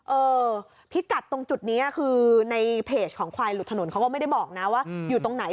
เออพิกัดตรงจุดนี้คือในเพจของควายหลุดถนนเขาก็ไม่ได้บอกนะว่าอยู่ตรงไหน